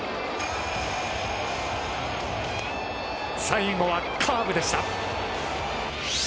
最後はカーブでした。